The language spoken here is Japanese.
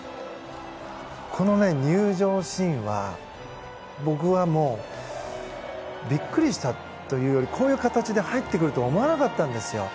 この入場シーンは僕はもうビックリしたというよりこういう形で入ってくるとは思わなかったんですよ。